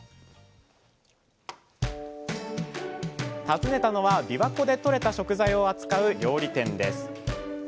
訪ねたのはびわ湖でとれた食材を扱う料理店です